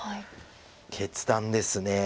決断です。